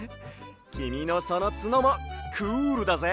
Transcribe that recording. きみのそのつのもクールだぜ！